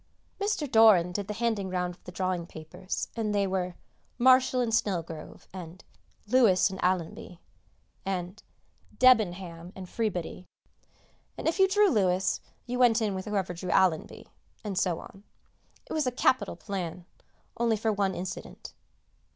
[Sidenote: Drawing for Partners] Mr. Doran did the handing round of the drawing papers, and they were "Marshall and Snelgrove," and "Lewis and Allenby," and "Debenham and Freebody," &c., and if you drew "Lewis" you went in with whoever drew "Allenby," and so on; it was a capital plan, only for one incident.